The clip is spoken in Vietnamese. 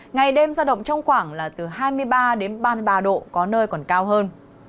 ngày đêm giao động trong khoảng là từ hai mươi ba đến ba mươi ba độ có nơi còn cao hơn